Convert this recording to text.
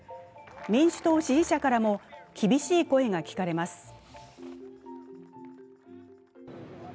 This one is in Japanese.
民主党支持者からも厳しい声が聞かれます。